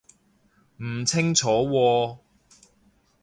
唔清楚喎